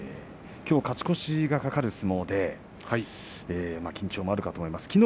きょう勝ち越しが懸かる相撲で緊張もあるかと思います。